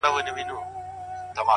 هره ورځ د نوي جوړېدو فرصت دی؛